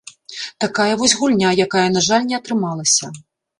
Такая вось гульня, якая, на жаль, не атрымалася.